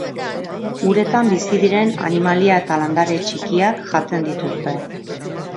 Uretan bizi diren animalia eta landare txikiak jaten dituzte.